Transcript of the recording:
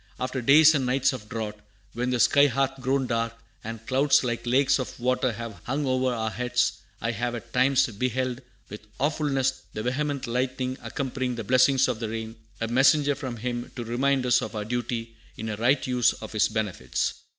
"After days and nights of drought, when the sky hath grown dark, and clouds like lakes of water have hung over our heads, I have at times beheld with awfulness the vehement lightning accompanying the blessings of the rain, a messenger from Him to remind us of our duty in a right use of His benefits."